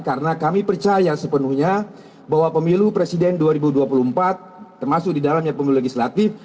karena kami percaya sepenuhnya bahwa pemilu presiden dua ribu dua puluh empat termasuk di dalamnya pemilu legislatif